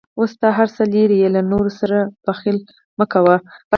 اوس ته هر څه لرې، له نورو سره بخل مه کوه.